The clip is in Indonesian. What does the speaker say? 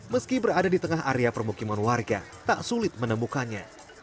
meski berada di tengah area permukiman warga tak sulit menemukannya